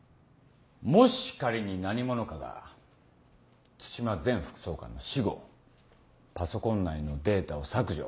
もし仮に何者かが津島前副総監の死後パソコン内のデータを削除。